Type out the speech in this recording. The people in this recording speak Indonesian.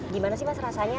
gimana sih mas rasanya